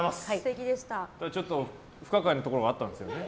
ちょっと不可解なところがあったんですよね。